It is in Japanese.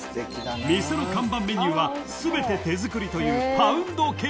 ［店の看板メニューは全て手作りという］